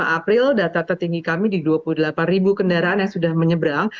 april data tertinggi kami di dua puluh delapan kendaraan yang sudah menyebrang